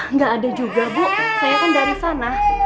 nggak ada juga bu saya kan dari sana